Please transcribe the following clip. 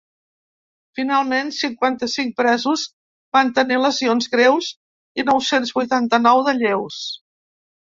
Finalment, cinquanta-cinc presos van tenir lesions greus i nou-cents vuitanta-nou de lleus.